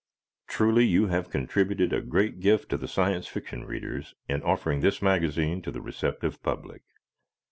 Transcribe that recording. Truly you have contributed a great gift to Science Fiction readers in offering this magazine to the receptive public.